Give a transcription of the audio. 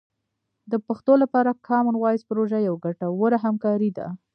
د پښتو لپاره کامن وایس پروژه یوه ګټوره همکاري ده.